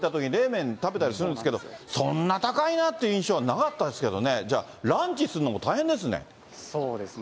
僕らも韓国行ったとき、冷麺食べたりするんですけれども、そんな高いなって印象はなかったですけどね、じゃあ、ランチするのも大変ですね。